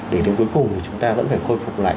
để đến cuối cùng chúng ta vẫn phải khôi phục lại